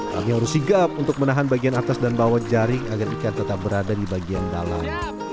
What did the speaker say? kami harus sigap untuk menahan bagian atas dan bawah jaring agar ikan tetap berada di bagian dalam